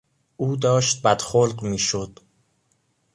او داشت بدخلق میشد.